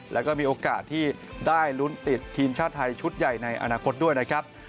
แล้วก็มีโอกาสที่ได้ลุ้นติดทีมชาติไทยชุดใหญ่ในอนาคตด้วยนะครับ